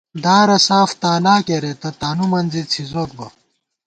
دارہ ساف تالا کېرېتہ ، تانُو منزے څِھزوک بہ